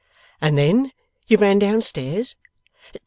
'And then you ran down stairs?